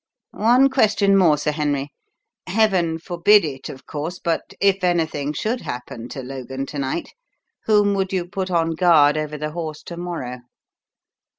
One question more, Sir Henry. Heaven forbid it, of course, but if anything should happen to Logan to night, whom would you put on guard over the horse to morrow?"